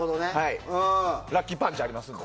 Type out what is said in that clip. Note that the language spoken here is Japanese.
ラッキーパンチありますので。